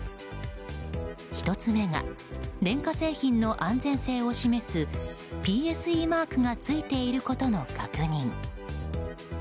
１つ目が電化製品の安全性を示すＰＳＥマークがついていることの確認。